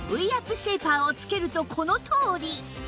シェイパーを着けるとこのとおり！